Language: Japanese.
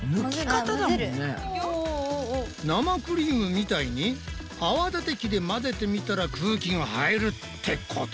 生クリームみたいに泡立て器で混ぜてみたら空気が入るってこと？